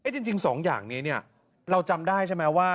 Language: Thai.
จริง๒อย่างนี้เราจำได้ใช่ไหมว่า